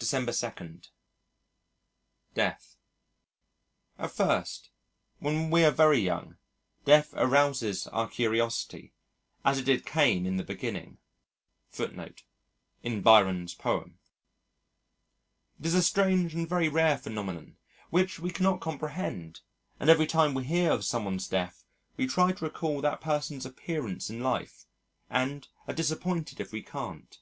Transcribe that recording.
December 2. Death At first, when we are very young, Death arouses our curiosity, as it did Cain in the beginning. It is a strange and very rare phenomenon which we cannot comprehend, and every time we hear of some one's death, we try to recall that person's appearance in life and are disappointed if we can't.